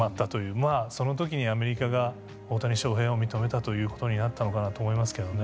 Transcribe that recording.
まあそのときにアメリカが大谷翔平を認めたということになったのかなと思いますけどね。